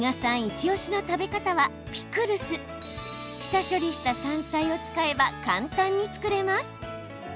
イチおしの食べ方はピクルス！下処理した山菜を使えば簡単に作れます。